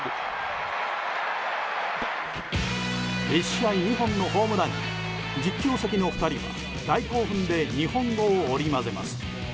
１試合２本のホームランに実況席の２人は大興奮で日本語を織り交ぜます。